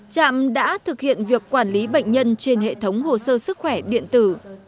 trạm đã thực hiện việc quản lý bệnh nhân trên hệ thống hồ sơ sức khỏe điện tử